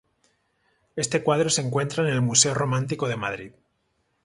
Este cuadro se encuentra en el Museo Romántico de Madrid.